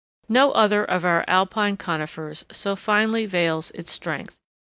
No other of our alpine conifers so finely veils its strength.